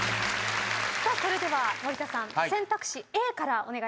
それでは森田さん選択肢Ａからお願いします。